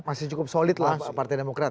masih cukup solid lah partai demokrat